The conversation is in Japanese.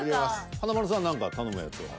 華丸さん何か頼むやつは？